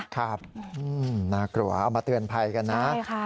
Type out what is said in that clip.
ครับน่ากลัวเอามาเตือนภัยกันนะ